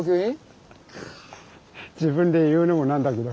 自分で言うのもなんだけど。